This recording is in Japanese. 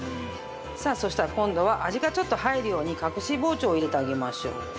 さあそしたら今度は味がちょっと入るように隠し包丁を入れてあげましょう。